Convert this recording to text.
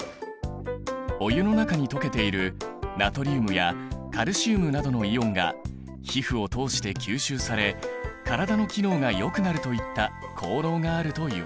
お湯の中に溶けているナトリウムやカルシウムなどのイオンが皮膚を通して吸収され体の機能がよくなるといった効能があるといわれている。